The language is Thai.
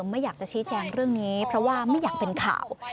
ไม่อยากจะชี้แจงเรื่องนี้เพราะว่าไม่อยากเป็นข่าว